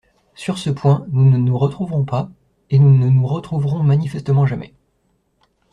Sur ce point, nous ne nous retrouverons pas et nous ne nous retrouverons manifestement jamais.